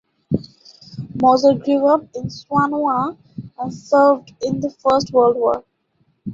Moser grew up in Swannanoa and served in the First World War.